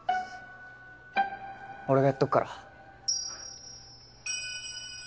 俺がやっとくから。